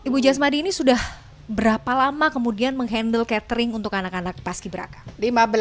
ibu jasmadi ini sudah berapa lama kemudian menghandle catering untuk anak anak paski beraka